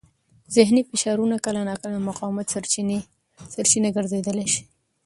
ذهني فشارونه کله ناکله د مقاومت سرچینه ګرځېدای شي.